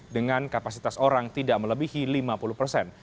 dengan kapasitas orang tidak melebihi lima puluh persen